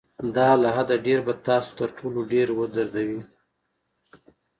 دا له حده ډېر به تاسو تر ټولو ډېر ودردوي.